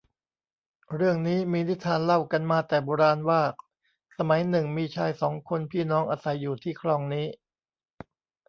เรื่องนี้มีนิทานเล่ากันมาแต่โบราณว่า สมัยหนึ่งมีชายสองคนพี่น้องอาศัยอยู่ที่คลองนี้